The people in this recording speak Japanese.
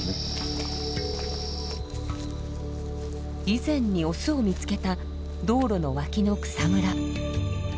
以前にオスを見つけた道路の脇の草むら。